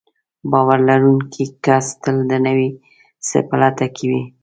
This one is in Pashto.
باور لرونکی کس تل د نوي څه په لټه کې وي.